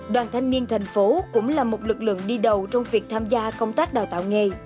đoàn thanh niên thành phố cũng là một lực lượng đi đầu trong việc tham gia công tác đào tạo nghề